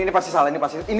nah ada orang di sini